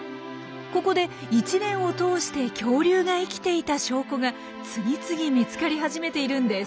ここで１年を通して恐竜が生きていた証拠が次々見つかり始めているんです。